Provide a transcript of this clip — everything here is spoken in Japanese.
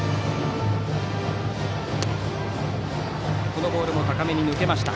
このボールも高めに抜けました。